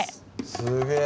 すげえ！